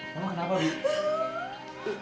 mama kenapa din